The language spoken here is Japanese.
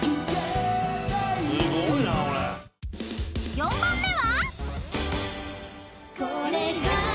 ［４番目は？］